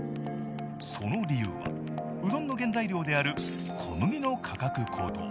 その理由はうどんの原材料である小麦の価格高騰。